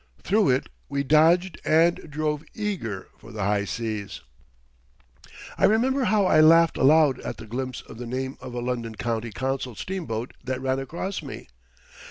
Through it we dodged and drove eager for the high seas. I remember how I laughed aloud at the glimpse of the name of a London County Council steamboat that ran across me.